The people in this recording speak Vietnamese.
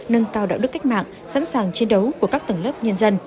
nâng cao đạo đức cách mạng sẵn sàng chiến đấu của các tầng lớp nhân dân